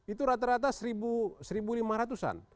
itu rata rata satu lima ratus an